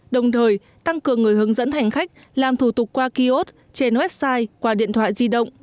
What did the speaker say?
đồng thời tăng cường người hướng dẫn hành khách làm thủ tục qua kiosk trên website qua điện thoại di động